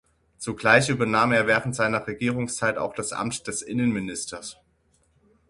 Zugleich übernahm er während seiner Regierungszeit auch das Amt des Innenministers.